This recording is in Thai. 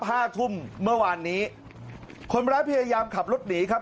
ห้าทุ่มเมื่อวานนี้คนร้ายพยายามขับรถหนีครับ